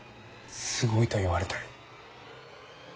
すごいと言われたい。